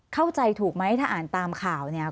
เข้าใจถูกไหมถ้าอ่านตามข่าวเนี่ย